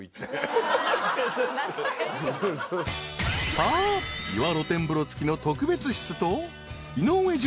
［さあ岩露天風呂付きの特別室と井上順。